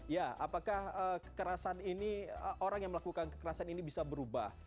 ya apakah kekerasan ini orang yang melakukan kekerasan ini bisa berubah